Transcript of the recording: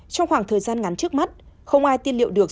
trong khoảng thời gian ngắn trước mắt không ai tin liệu được